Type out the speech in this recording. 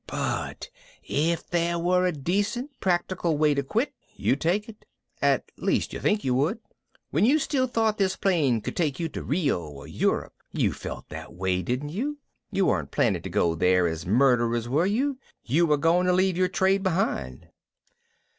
But if there were a decent practical way to quit, you'd take it. At least I think you would. When you still thought this plane could take you to Rio or Europe you felt that way, didn't you? You weren't planning to go there as murderers, were you? You were going to leave your trade behind."